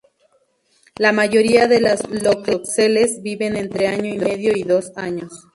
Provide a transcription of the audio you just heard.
La mayoría de las "Loxosceles" viven entre año y medio y dos años.